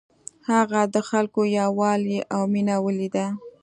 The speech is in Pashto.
هغه د خلکو یووالی او مینه ولیده.